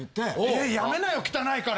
「ええ！？やめなよ。汚いから」